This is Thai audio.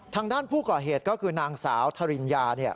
ทางด้านผู้ก่อเหตุก็คือนางสาวทรินยา